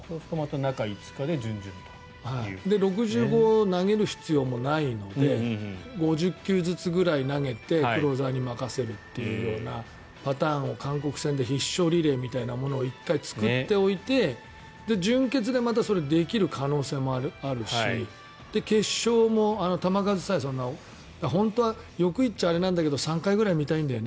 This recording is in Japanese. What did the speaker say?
そうすると６５球も投げる必要がないので５０球ずつぐらい投げてクローザーに任せるというパターンを韓国戦で必勝リレーみたいなものを１回作っておいて、準決でまたそれができる可能性もあるし決勝も球数さえ本当は欲を言ったらあれなんだけど３回ぐらい見たいんだよね